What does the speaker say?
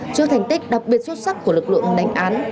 trước thành tích đặc biệt xuất sắc của lực lượng đánh án